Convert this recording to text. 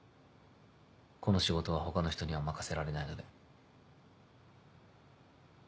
この仕事は他の人には任せられないので。